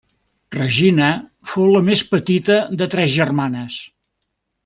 Regina fou la més petita de tres germanes.